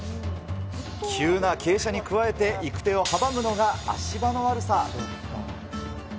急な傾斜に加えて、行く手を阻むのが足場の悪さ。